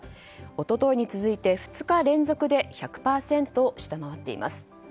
一昨日に続いて２日連続で１００％を下回っています。